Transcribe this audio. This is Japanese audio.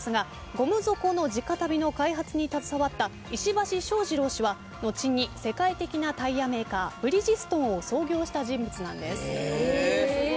ゴム底の地下足袋の開発に携わった石橋正二郎氏は後に世界的なタイヤメーカーブリヂストンを創業した人物なんです。